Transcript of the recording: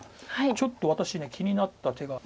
ちょっと私気になった手が。